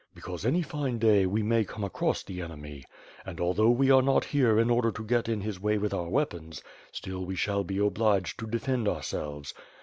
"Because, any fine day, we may come across the enemy. And, although we are not here in order to get in his way with our weapons, still we shall be obliged to defend ourselves.